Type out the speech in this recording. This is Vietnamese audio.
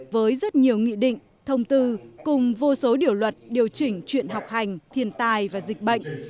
với rất nhiều nghị định thông tư cùng vô số điều luật điều chỉnh chuyện học hành thiền tài và dịch bệnh